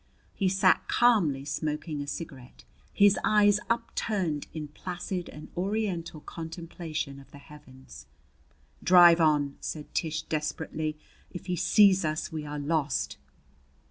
He sat calmly smoking a cigarette, his eyes upturned in placid and Oriental contemplation of the heavens. "Drive on!" said Tish desperately. "If he sees us we are lost!"